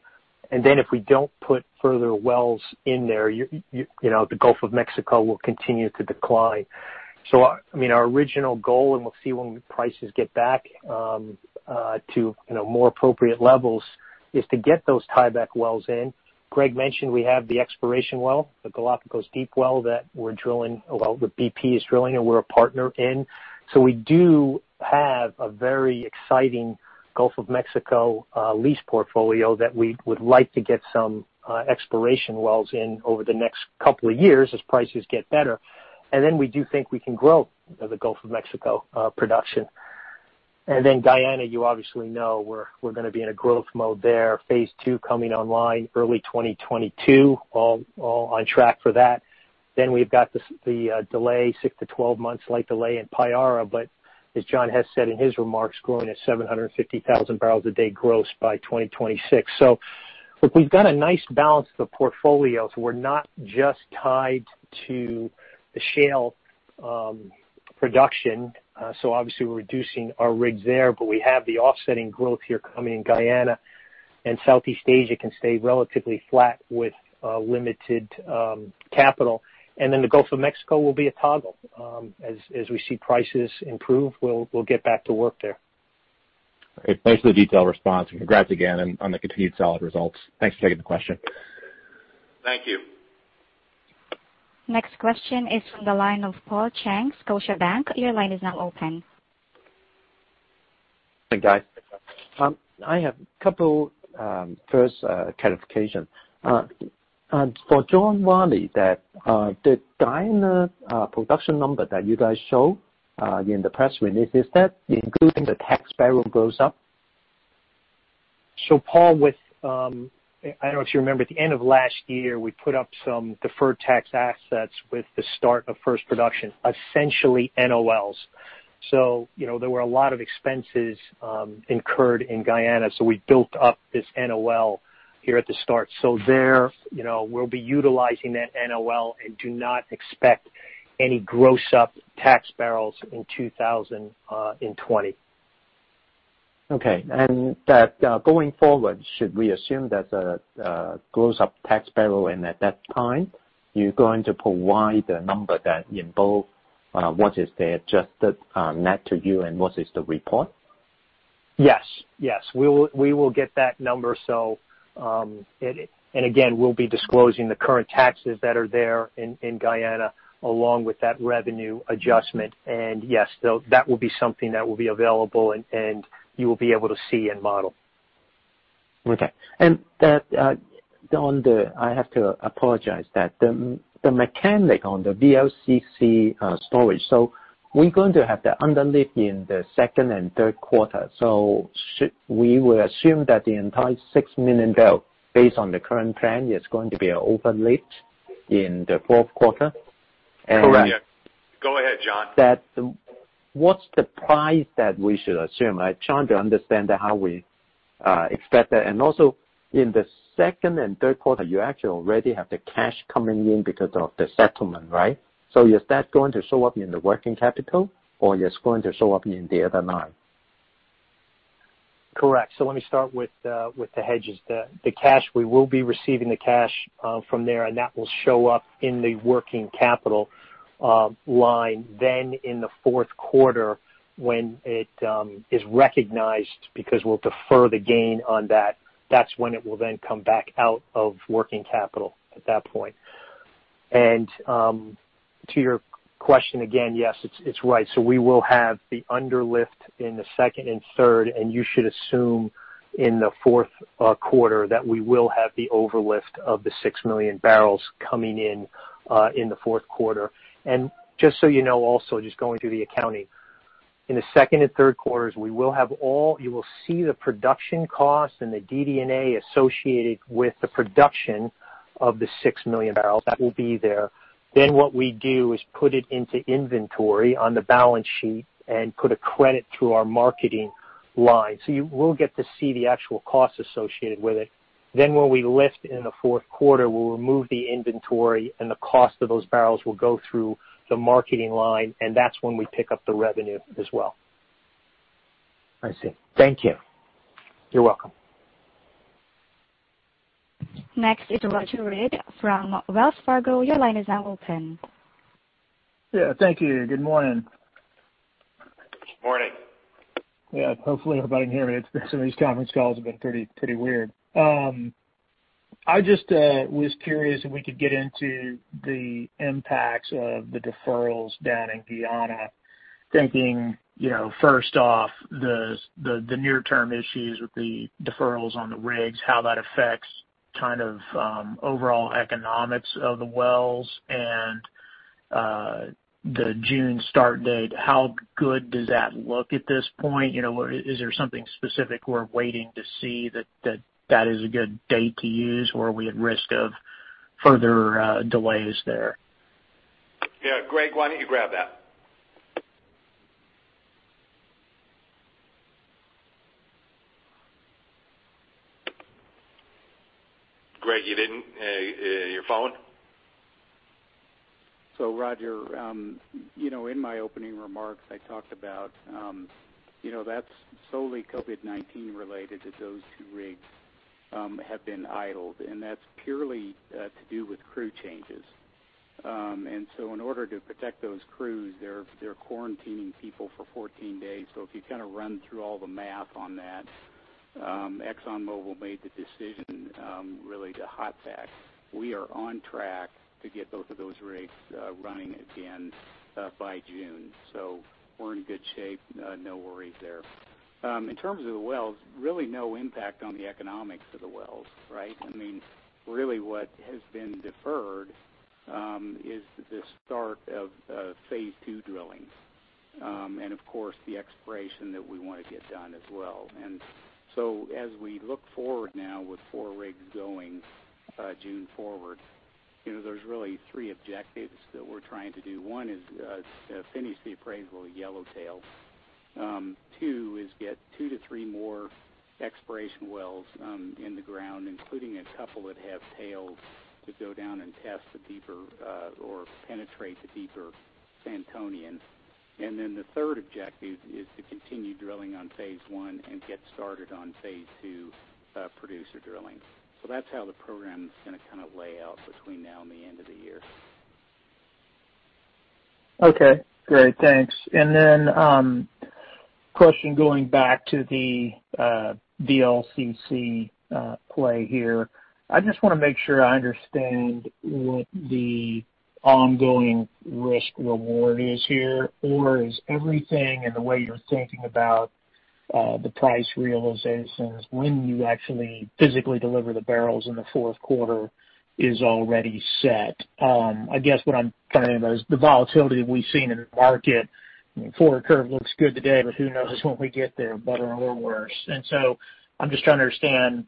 If we don't put further wells in there, the Gulf of Mexico will continue to decline. Our original goal, and we'll see when prices get back to more appropriate levels, is to get those tieback wells in. Greg mentioned we have the exploration well, the Galapagos Deep well that we're drilling. That BP is drilling, and we're a partner in. We do have a very exciting Gulf of Mexico lease portfolio that we would like to get some exploration wells in over the next couple of years as prices get better. We do think we can grow the Gulf of Mexico production. Guyana, you obviously know we're going to be in a growth mode there. Phase II coming online early 2022. All on track for that. We've got the delay, 6-12 months light delay in Payara. As John Hess said in his remarks, growing at 750,000 bbl a day gross by 2026. Look, we've got a nice balance of the portfolio. We're not just tied to the shale production. Obviously, we're reducing our rigs there, but we have the offsetting growth here coming in Guyana. Southeast Asia can stay relatively flat with limited capital. The Gulf of Mexico will be a toggle. As we see prices improve, we'll get back to work there. Okay. Thanks for the detailed response and congrats again on the continued solid results. Thanks for taking the question. Thank you. Next question is from the line of Paul Cheng, Scotiabank. Your line is now open. Hey, guys. I have couple first clarification. For John Rielly, the Guyana production number that you guys show in the press release, is that including the tax barrel gross-up? Paul, I don't know if you remember at the end of last year, we put up some deferred tax assets with the start of first production, essentially NOLs. There were a lot of expenses incurred in Guyana. We built up this NOL here at the start. There, we'll be utilizing that NOL and do not expect any gross-up tax barrels in 2020. Okay. That going forward, should we assume that the gross-up tax barrel, and at that time, you're going to provide the number that in both, what is the adjusted net to you and what is the report? Yes. We will get that number. Again, we'll be disclosing the current taxes that are there in Guyana along with that revenue adjustment. Yes, that will be something that will be available, and you will be able to see and model. Okay. I have to apologize that the mechanic on the VLCC storage. We're going to have the underlift in the second and third quarter. Should we assume that the entire six million barrel, based on the current plan, is going to be over-lift in the fourth quarter? Correct. Go ahead, John. What's the price that we should assume? I'm trying to understand how we expect that. Also, in the second and third quarter, you actually already have the cash coming in because of the settlement, right? Is that going to show up in the working capital? It's going to show up in the other line? Correct. Let me start with the hedges. The cash, we will be receiving the cash from there, and that will show up in the working capital line. In the fourth quarter when it is recognized, because we'll defer the gain on that's when it will then come back out of working capital at that point. To your question again, yes, it's right. We will have the underlift in the second and third, and you should assume in the fourth quarter that we will have the overlift of the 6 million barrels coming in the fourth quarter. Just so you know also, just going through the accounting. In the second and third quarters, you will see the production cost and the DD&A associated with the production of the 6 million barrels. That will be there. What we do is put it into inventory on the balance sheet and put a credit through our marketing line. You will get to see the actual cost associated with it. When we lift in the fourth quarter, we'll remove the inventory, and the cost of those barrels will go through the marketing line, and that's when we pick up the revenue as well. I see. Thank you. You're welcome. Next is Roger Read from Wells Fargo. Your line is now open. Yeah, thank you. Good morning. Morning. Yeah. Hopefully everybody can hear me. Some of these conference calls have been pretty weird. I just was curious if we could get into the impacts of the deferrals down in Guyana. Thinking, first off, the near-term issues with the deferrals on the rigs, how that affects overall economics of the wells and the June start date. How good does that look at this point? Is there something specific we're waiting to see that is a good date to use, or are we at risk of further delays there? Yeah. Greg, why don't you grab that? Greg, you didn't Your phone? Roger, in my opening remarks, I talked about, that's solely COVID-19 related that those two rigs have been idled, and that's purely to do with crew changes. In order to protect those crews, they're quarantining people for 14 days. If you run through all the math on that, ExxonMobil made the decision, really to hot stack. We are on track to get both of those rigs running again by June. We're in good shape. No worries there. In terms of the wells, really no impact on the economics of the wells, right? Really what has been deferred is the start of phase II drillings. Of course, the exploration that we want to get done as well. As we look forward now with four rigs going June forward, there's really three objectives that we're trying to do. One is to finish the appraisal of Yellowtail. Two is get two to three more exploration wells in the ground, including a couple that have tails to go down and test the deeper, or penetrate the deeper Santonian. The third objective is to continue drilling on phase I and get started on phase II producer drilling. That's how the program's going to lay out between now and the end of the year. Okay, great. Thanks. Question going back to the VLCC play here. I just want to make sure I understand what the ongoing risk reward is here. Is everything in the way you're thinking about the price realizations when you actually physically deliver the barrels in the fourth quarter is already set? I guess what I'm trying is, the volatility we've seen in the market, forward curve looks good today, but who knows when we get there, better or worse. I'm just trying to understand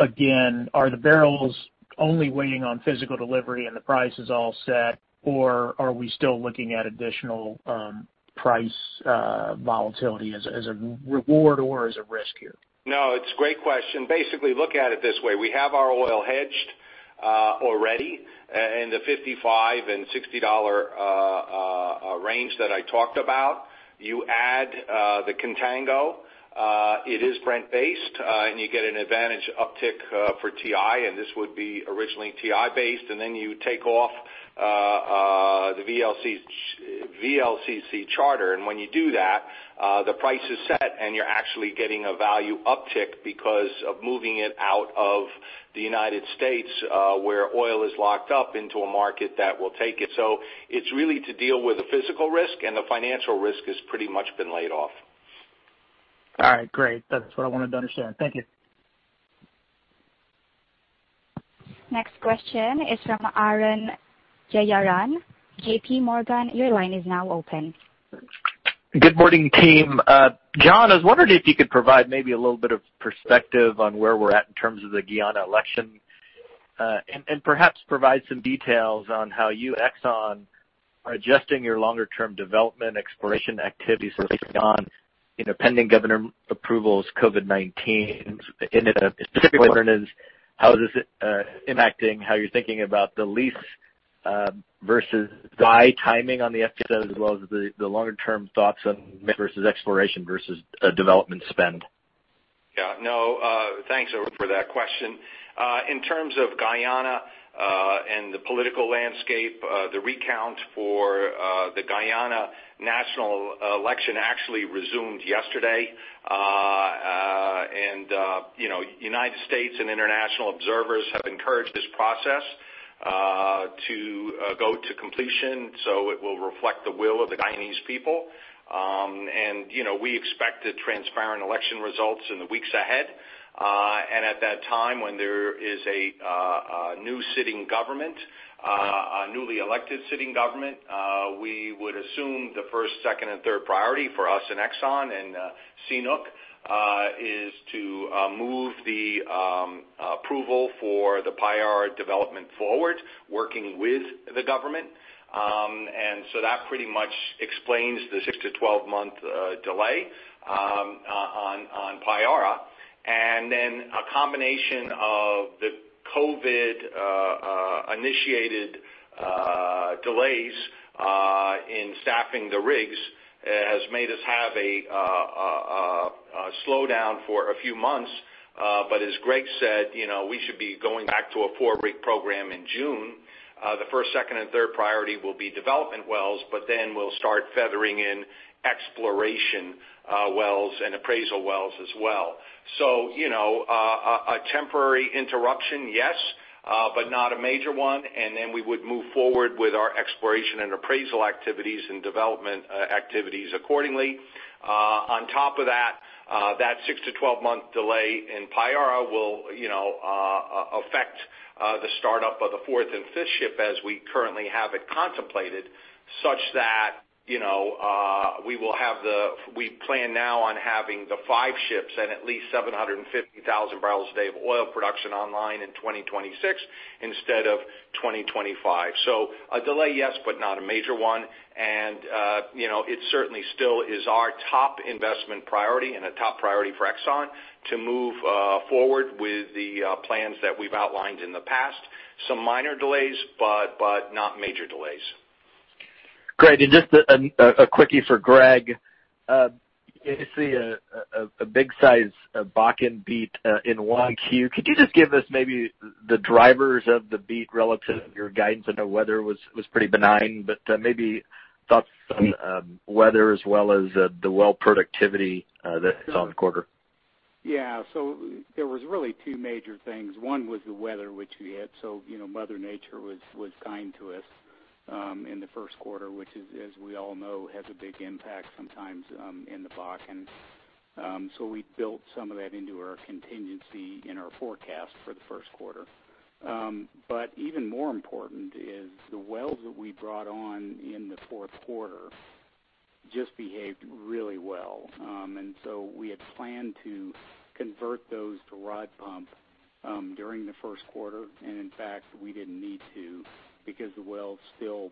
again, are the barrels only waiting on physical delivery and the price is all set, or are we still looking at additional price volatility as a reward or as a risk here? No, it's a great question. Basically, look at it this way. We have our oil hedged already in the $55 and $60 range that I talked about. You add the contango. It is Brent-based, and you get an advantage uptick for WTI, and this would be originally WTI-based. Then you take off the VLCC charter. When you do that, the price is set and you're actually getting a value uptick because of moving it out of the U.S., where oil is locked up, into a market that will take it. It's really to deal with the physical risk, and the financial risk has pretty much been laid off. All right, great. That's what I wanted to understand. Thank you. Next question is from Arun Jayaram, JPMorgan. Your line is now open. Good morning, team. John, I was wondering if you could provide maybe a little bit of perspective on where we're at in terms of the Guyana election. Perhaps provide some details on how you, Exxon, are adjusting your longer-term development exploration activities based on pending government approvals, COVID-19. In particular, I'm wondering is how is this impacting how you're thinking about the lease versus buy timing on the FPSO, as well as the longer-term thoughts on versus exploration versus development spend? Yeah. No. Thanks for that question. In terms of Guyana and the political landscape, the recount for the Guyana national election actually resumed yesterday. Okay. U.S. and international observers have encouraged this process to go to completion so it will reflect the will of the Guyanese people. We expect transparent election results in the weeks ahead. At that time, when there is a newly elected sitting government, we would assume the first, second, and third priority for us in Exxon and CNOOC is to move the approval for the Payara development forward, working with the government. That pretty much explains the 6-12 month delay on Payara. A combination of the COVID-initiated delays in staffing the rigs has made us have a slowdown for a few months. As Greg said, we should be going back to a four-rig program in June. The first, second, and third priority will be development wells, but then we'll start feathering in exploration wells and appraisal wells as well. A temporary interruption, yes, but not a major one. Then we would move forward with our exploration and appraisal activities and development activities accordingly. On top of that 6-12 month delay in Payara will affect the start-up of the fourth and fifth ship as we currently have it contemplated, such that we plan now on having the five ships and at least 750,000 bbl a day of oil production online in 2026 instead of 2025. A delay, yes, but not a major one. It certainly still is our top investment priority and a top priority for Exxon to move forward with the plans that we've outlined in the past. Some minor delays, but not major delays. Great. Just a quickie for Greg. I see a big size Bakken beat in 1Q. Could you just give us maybe the drivers of the beat relative to your guidance? I know weather was pretty benign, maybe thoughts on weather as well as the well productivity that is on quarter. There was really two major things. One was the weather, which we had. Mother Nature was kind to us in the first quarter, which as we all know, has a big impact sometimes in the Bakken. We built some of that into our contingency in our forecast for the first quarter. Even more important is the wells that we brought on in the fourth quarter just behaved really well. We had planned to convert those to rod pump during the first quarter. In fact, we didn't need to because the wells still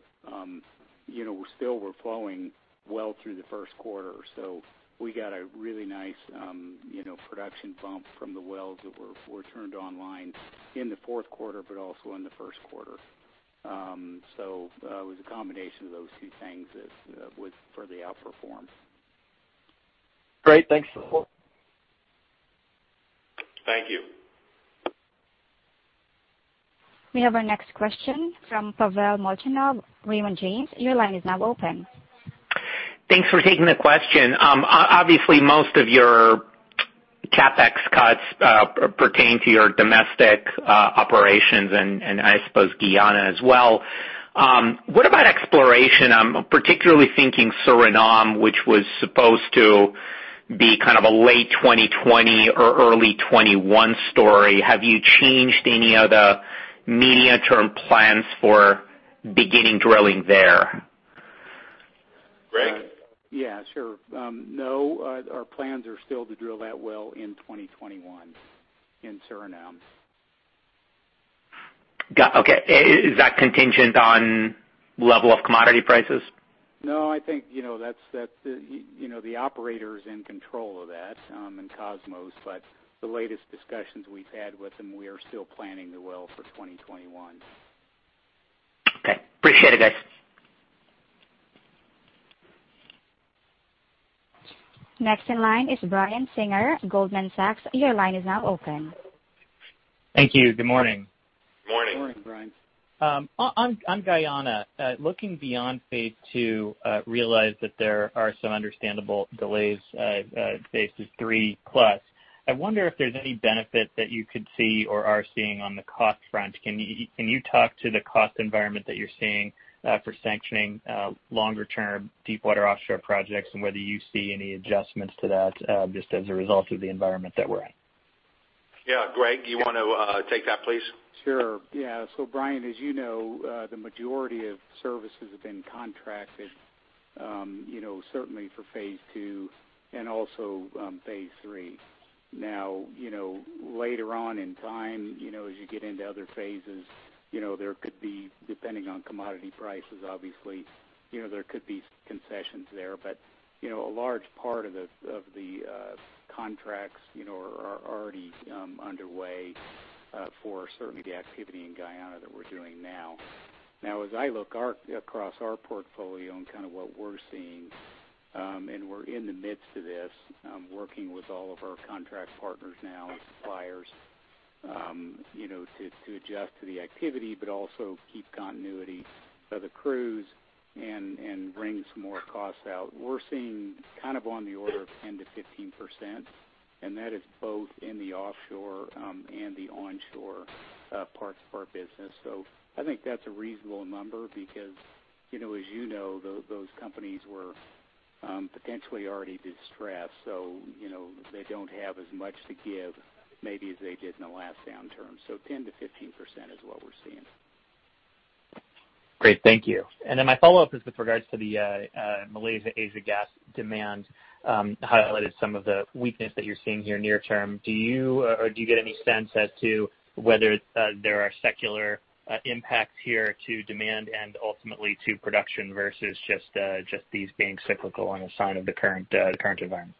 were flowing well through the first quarter. We got a really nice production bump from the wells that were turned online in the fourth quarter, but also in the first quarter. It was a combination of those two things for the outperformance. Great. Thanks for the call. Thank you. We have our next question from Pavel Molchanov, Raymond James. Your line is now open. Thanks for taking the question. Obviously, most of your CapEx cuts pertain to your domestic operations and I suppose Guyana as well. What about exploration? I'm particularly thinking Suriname, which was supposed to be kind of a late 2020 or early 2021 story. Have you changed any of the medium-term plans for beginning drilling there? Greg? Yeah, sure. No, our plans are still to drill that well in 2021 in Suriname. Got it. Okay. Is that contingent on level of commodity prices? No, I think the operator is in control of that and Kosmos. The latest discussions we've had with them, we are still planning the well for 2021. Okay. Appreciate it, guys. Next in line is Brian Singer, Goldman Sachs. Your line is now open. Thank you. Good morning. Morning. Morning, Brian. On Guyana, looking beyond phase II, realize that there are some understandable delays phased to three plus. I wonder if there's any benefit that you could see or are seeing on the cost front. Can you talk to the cost environment that you're seeing for sanctioning longer-term deepwater offshore projects and whether you see any adjustments to that just as a result of the environment that we're in? Yeah. Greg, do you want to take that, please? Sure. Brian, as you know, the majority of services have been contracted certainly for phase II and also phase III. Later on in time, as you get into other phases, there could be, depending on commodity prices, obviously, there could be concessions there. A large part of the contracts are already underway for certainly the activity in Guyana that we're doing now. As I look across our portfolio and kind of what we're seeing, and we're in the midst of this, working with all of our contract partners now and suppliers to adjust to the activity, but also keep continuity of the crews and wring some more costs out. We're seeing on the order of 10%-15%, and that is both in the offshore and the onshore parts of our business. I think that's a reasonable number because, as you know, those companies were potentially already distressed, so they don't have as much to give maybe as they did in the last downturn. 10%-15% is what we're seeing. Great. Thank you. My follow-up is with regards to the Malaysia Asia gas demand highlighted some of the weakness that you're seeing here near term. Do you get any sense as to whether there are secular impacts here to demand and ultimately to production versus just these being cyclical and a sign of the current environment?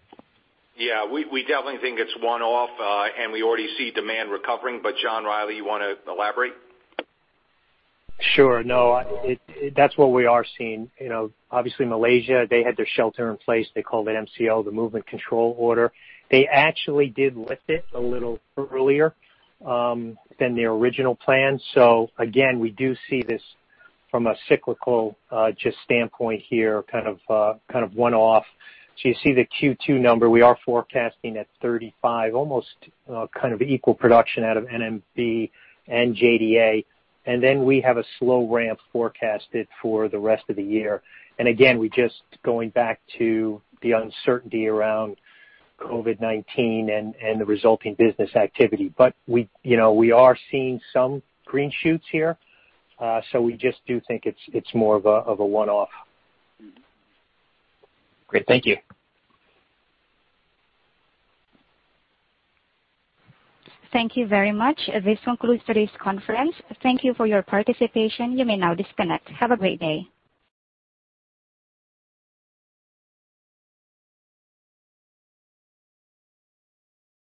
Yeah. We definitely think it's one-off, and we already see demand recovering, but John Rielly, you want to elaborate? Sure. That's what we are seeing. Obviously, Malaysia, they had their shelter in place. They called it MCO, the movement control order. They actually did lift it a little earlier than their original plan. Again, we do see this from a cyclical standpoint here, kind of one-off. You see the Q2 number, we are forecasting at 35, almost equal production out of NMB and JDA. Then we have a slow ramp forecasted for the rest of the year. Again, we just going back to the uncertainty around COVID-19 and the resulting business activity. We are seeing some green shoots here. We just do think it's more of a one-off. Great. Thank you. Thank you very much. This concludes today's conference. Thank you for your participation. You may now disconnect. Have a great day.